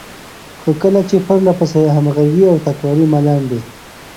خو کله چې پرلهپسې، همغږې او تکراري ملنډې،